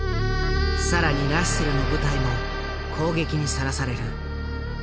更にラッセルの部隊も攻撃にさらされる。